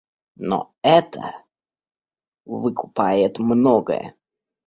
Но это выкупает многое.